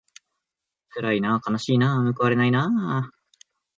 つらいなあかなしいなあむくわれないなあ